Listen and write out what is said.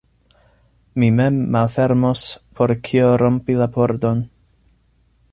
Mi mem malfermos, por kio rompi la pordon?